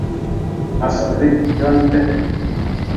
Ba sohli jonte.